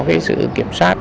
cái sự kiểm soát